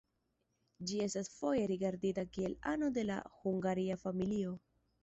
Ĝi estas foje rigardita kiel ano de la Hungaria familio.